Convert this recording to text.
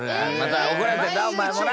おこられてんなお前もな。